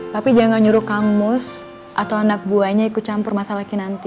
tapi jangan nyuruh kamus atau anak buahnya ikut campur masalah kinanti